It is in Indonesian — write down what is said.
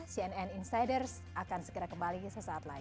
cnn insiders akan segera kembali sesaat lagi